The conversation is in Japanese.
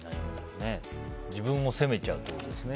自分も責めちゃうってことですね。